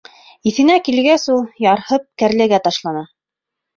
Иҫенә килгәс, ул, ярһып, кәрләгә ташлана.